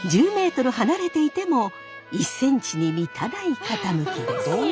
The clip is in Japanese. １０ｍ離れていても１ｃｍに満たない傾きです。